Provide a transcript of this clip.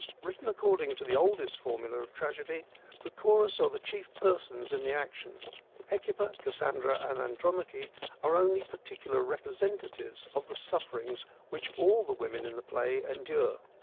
Written according to the oldest formula of tragedy, the chorus are the chief persons in the action. Hecuba, Cassandra and Andromache are only particular representatives of the sufferings which all the women in the play endure.